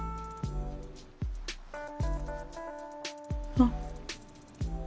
あっ。